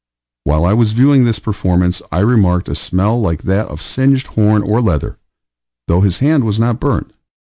While I was viewing this performance, I remarked a smell like that of singed horn or leather, though his hand was not burnt.